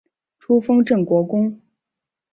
初封镇国公。